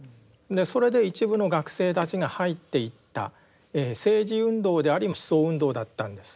それで一部の学生たちが入っていった政治運動であり思想運動だったんです。